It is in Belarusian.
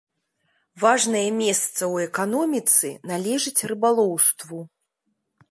Важнае месца ў эканоміцы належыць рыбалоўству.